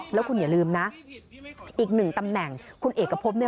แล้วคุณอย่าลืมนะอีกหนึ่งตำแหน่งคุณเอกพบเนี่ย